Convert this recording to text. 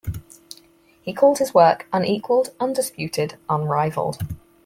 He called his work unequaled, undisputed, unrivaled.